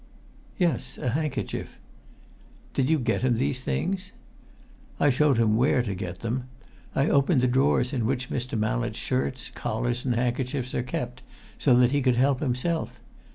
"Yes, a handkerchief." "Did you get him these things?" "I showed him where to get them. I opened the drawers in which Mr. Mallett's shirts, collars and handkerchiefs are kept, so that he could help himself.